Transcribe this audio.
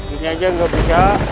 ini saja tidak bisa